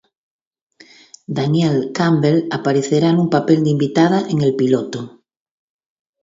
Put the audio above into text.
Danielle Campbell aparecerá en un papel de invitada en el piloto.